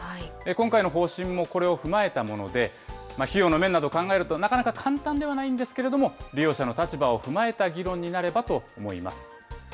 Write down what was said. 今回の方針もこれを踏まえたもので、費用の面などを考えると、なかなか簡単ではないんですけれども、利用者の立場を踏まえた議論になればと思います。